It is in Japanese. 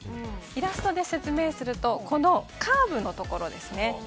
イラストで説明するとカーブのところですね。